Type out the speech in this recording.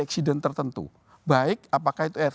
eksiden tertentu baik apakah itu